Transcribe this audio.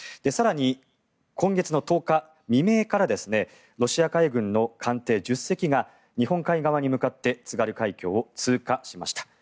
更に、今月の１０日未明からロシア海軍の艦艇１０隻が日本海側に向かって津軽海峡を通過しました。